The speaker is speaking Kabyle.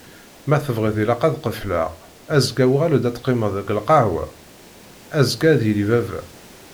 Ma tebɣiḍ ilaq ad qefleɣ! Azekka uɣal-d ad teqimeḍ deg lqahwa? Azekka ad yili baba!